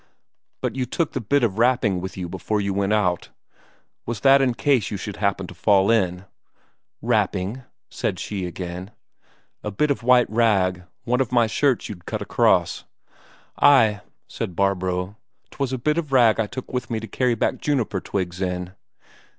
"But you took the bit of wrapping with you before you went out was that in case you should happen to fall in?" "Wrapping?" said she again. "A bit of white rag one of my shirts you'd cut half across." "Ay," said Barbro, "'twas a bit of rag I took with me to carry back juniper twigs in."